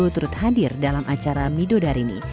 yang putrut hadir dalam acara mido dari ini